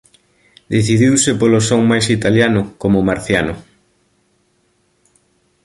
Decidiuse polo son máis italiano como "Marciano".